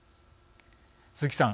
鈴木さん